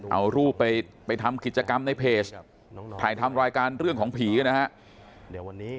เอารูปไปทำกิจกรรมในเพจถ่ายทำรายการเรื่องของผีนะครับ